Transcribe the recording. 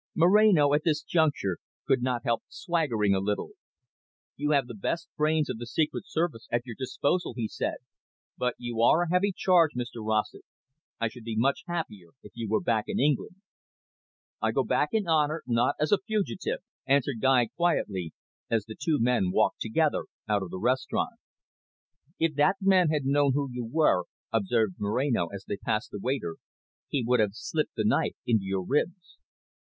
Moreno at this juncture could not help swaggering a little. "You have the best brains of the Secret Service at your disposal," he said, "but you are a heavy charge, Mr Rossett. I should be much happier if you were back in England." "I go back in honour, not as a fugitive," answered Guy quietly, as the two men walked together out of the restaurant. "If that man had known who you were," observed Moreno, as they passed the waiter, "he would have slipped the knife into your ribs.